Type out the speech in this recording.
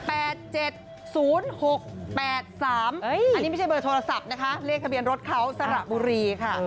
อันนี้ไม่ใช่เบอร์โทรศัพท์นะคะเลขทะเบียนรถเขาสระบุรีค่ะ